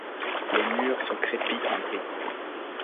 Les murs sont crépis en gris.